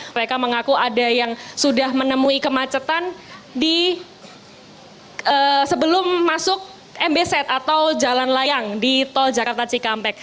mereka mengaku ada yang sudah menemui kemacetan sebelum masuk mbz atau jalan layang di tol jakarta cikampek